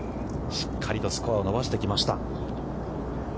しっかりとスコアを伸ばしてきました。